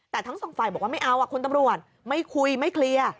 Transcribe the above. แต่ทั้งสองฝ่ายบอกว่าไม่เอาคุณตำรวจไม่คุยไม่เคลียร์